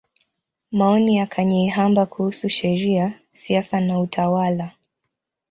Maoni ya Kanyeihamba kuhusu Sheria, Siasa na Utawala.